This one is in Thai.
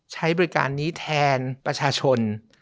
ใช้บริการนี้แทนประชาชน